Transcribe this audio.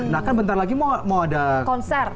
nah kan bentar lagi mau ada gelar konser nih